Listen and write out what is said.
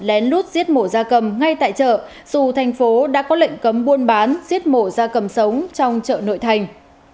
lén lút giết mổ da cầm ngay tại chợ dù thành phố đã có lệnh cấm buôn bán giết mổ da cầm sống trong chợ nội thành